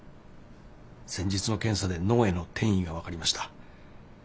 先日の検査で脳への転移が分かりました。